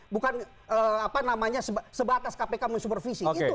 bukan sebatas kpk mensupervisi